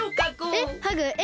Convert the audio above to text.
えっハグえ